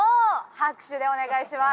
拍手をお願いします。